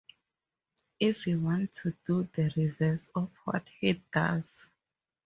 If you want to do the reverse of what head does.